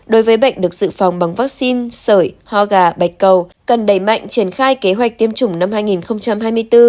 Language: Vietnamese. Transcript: đối với bệnh được sự phòng bằng vaccine sởi ho gà bạch cầu cần đẩy mạnh triển khai kế hoạch tiêm chủng năm hai nghìn hai mươi bốn